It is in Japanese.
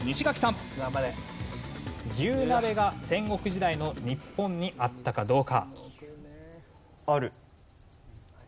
人力車が戦国時代の日本にあったかどうか？